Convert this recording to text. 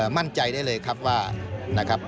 มั่นใจได้เลยครับว่า